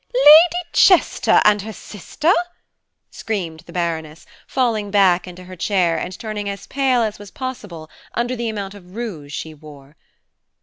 "Lady Chester and her sister!" screamed the Baroness, falling back into her chair, and turning as pale as was possible under the amount of rouge she wore.